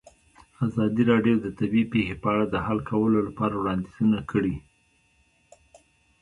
ازادي راډیو د طبیعي پېښې په اړه د حل کولو لپاره وړاندیزونه کړي.